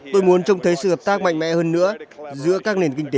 tôi muốn trông thấy sự hợp tác mạnh mẽ hơn nữa